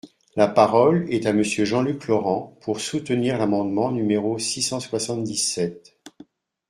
La parole est à Monsieur Jean-Luc Laurent, pour soutenir l’amendement numéro six cent soixante-dix-sept.